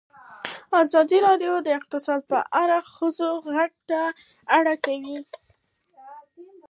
ازادي راډیو د اقتصاد په اړه د ښځو غږ ته ځای ورکړی.